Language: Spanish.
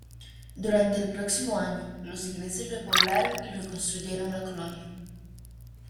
Durante el próximo año, los ingleses repoblaron y reconstruyeron la colonia.